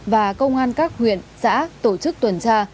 và công an các huyện xã tổ chức tuần tra